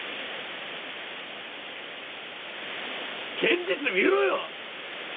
現実見ろよ！